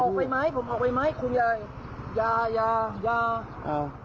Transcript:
ผมออกไปไหมผมออกไปไหมคุณยายอย่าอย่าอย่า